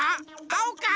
あおか？